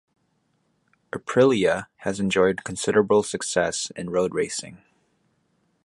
Aprilia has enjoyed considerable success in road-racing.